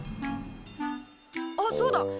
あっそうだ！